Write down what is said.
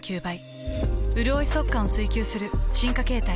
うるおい速乾を追求する進化形態。